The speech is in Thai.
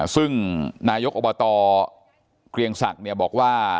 ซึ่งนายกอบตเกรียงศักดิ์บอกว่า